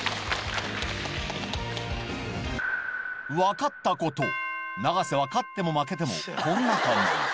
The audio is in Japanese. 分かったこと、永瀬は勝っても負けてもこんな感じ。